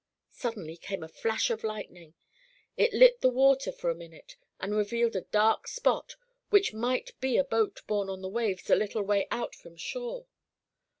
Suddenly came a flash of lightning. It lit the water for a minute, and revealed a dark spot which might be a boat borne on the waves a little way out from shore.